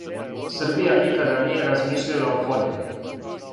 Србија никада није размишљала о подели.